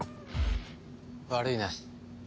悪いな。